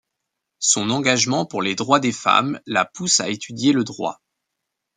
Son engagement pour les droits des femmes la pousse à étudier le droit.